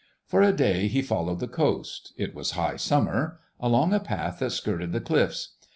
For a day he followed the coast—it was high summer—along a path that skirted the cliffs.